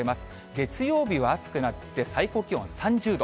月曜日は暑くなって、最高気温は３０度。